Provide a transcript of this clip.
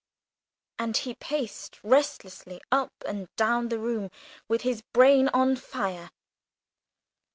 And he paced restlessly up and down the room with his brain on fire.